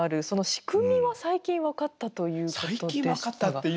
その仕組みは最近分かったということでしたが。